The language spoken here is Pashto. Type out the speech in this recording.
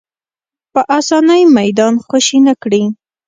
په اسانۍ میدان خوشې نه کړي